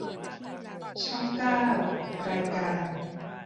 ช่องเก้า รายการ